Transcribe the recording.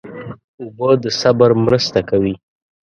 اوبه د صبر مرسته کوي.